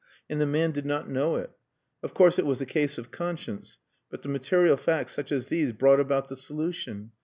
And the man did not know it. Of course, it was a case of conscience, but the material facts such as these brought about the solution....